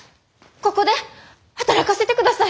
ここで働かせてください！